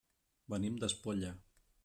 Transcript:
Venim d'Espolla.